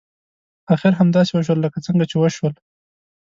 اخر همداسې وشول لکه څنګه چې وشول.